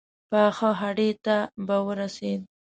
پاخه هډ ته به ورسېد.